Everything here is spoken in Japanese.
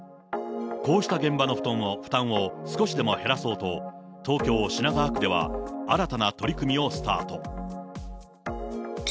こうした現場の負担を少しでも減らそうと、東京・品川区では新たな取り組みをスタート。